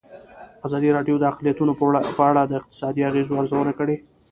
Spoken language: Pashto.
ازادي راډیو د اقلیتونه په اړه د اقتصادي اغېزو ارزونه کړې.